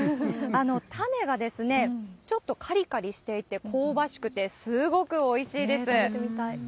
種がちょっとかりかりしていて、香ばしくて、すごくおいしいです。